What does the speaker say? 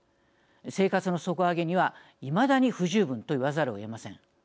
生活の底上げにはいまだに不十分と言わざるをえません。